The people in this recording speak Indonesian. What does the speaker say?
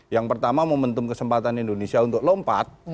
yang pertama momentum kesempatan indonesia untuk lompat